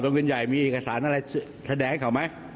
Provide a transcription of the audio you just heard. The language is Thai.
ดวงเวียนใหญ่มีอีกอาสารอะไรแสดงให้เขาไหม